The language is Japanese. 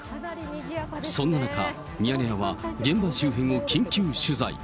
そんな中、ミヤネ屋は現場周辺を緊急取材。